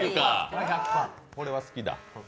これは好きだ。